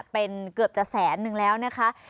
เป็นเกือบจะแสนนึงแล้วนะคะ